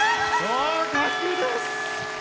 合格です。